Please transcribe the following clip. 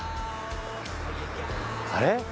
あれ？